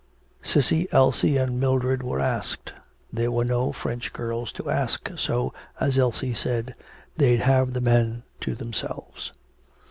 Cissy, Elsie, and Mildred were asked: there were no French girls to ask, so, as Elsie said, 'they'd have the men to themselves.'